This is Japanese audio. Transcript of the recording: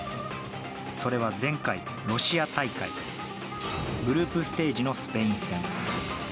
それは前回、ロシア大会グループステージのスペイン戦。